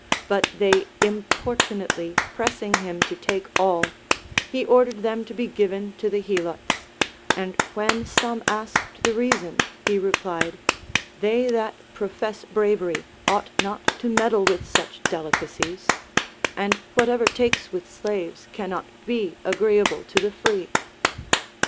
But they impor tunately pressing him to take all, he ordered them to be given to the Helots ; and when some asked the reason, he replied. They that profess bravery ought not to meddle with such delicacies ; and whatever takes with slaves can not be agreeable to the free.